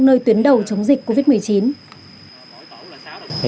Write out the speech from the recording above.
nơi tuyến đầu chống dịch covid một mươi chín